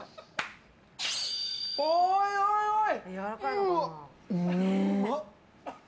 おいおいおい！